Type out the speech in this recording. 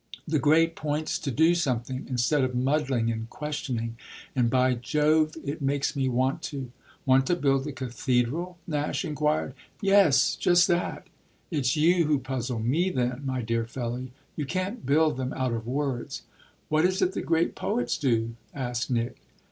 "The great point's to do something, instead of muddling and questioning; and, by Jove, it makes me want to!" "Want to build a cathedral?" Nash inquired. "Yes, just that." "It's you who puzzle me then, my dear fellow. You can't build them out of words." "What is it the great poets do?" asked Nick.